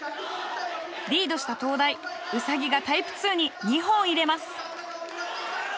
リードした東大ウサギがタイプ２に２本入れます。